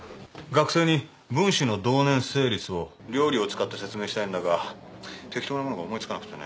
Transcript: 学生に分子の動粘性率を料理を使って説明したいんだが適当なものが思い付かなくてね。